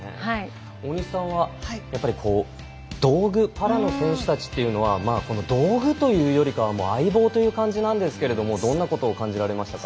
大西さんは道具、パラの選手たちというのは道具というよりかは相棒という感じなんですけれどもどんなことを感じられましたか。